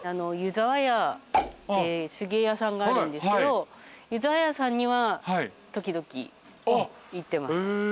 ユザワヤって手芸屋さんがあるんですけどユザワヤさんには時々行ってます。